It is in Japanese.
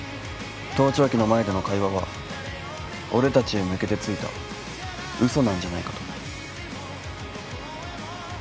盗聴器の前での会話は俺たちへ向けてついたうそなんじゃないかと。